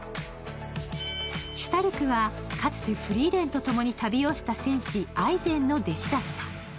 シュタルクは、かつてフリーレンとともに旅をした戦士・アイゼンの弟子だった。